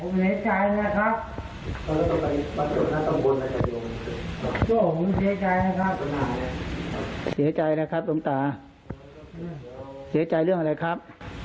โอ้โหเสียใจนะครับเสียใจนะครับหลวงตาเสียใจเรื่องอะไรครับ